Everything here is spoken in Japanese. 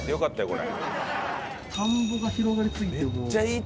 これ。